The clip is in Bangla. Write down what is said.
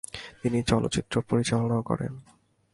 তিনি চলচ্চিত্র পরিচালনাও করেন।